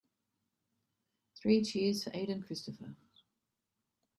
Three cheers for Aden Christopher.